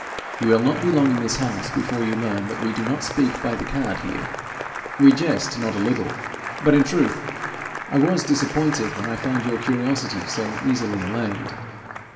You will not be long in this house before you learn that we do not speak by the card here. We jest not a little. But in truth I was disappointed when I found your curiosity so easily allayed.'